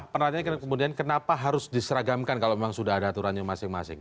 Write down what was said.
kenapa penelitian kemudian kenapa harus diseragamkan kalau memang sudah ada aturan yang masing masing